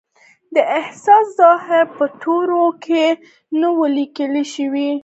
دا احساس ظاهراً په تورو کې نه و لیکل شوی